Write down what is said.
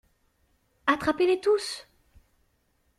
Attrapez-les tous!